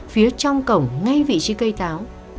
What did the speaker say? phía trong cổng ngay vị trí cây táo